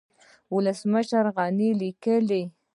ولسمشر غني ليکلي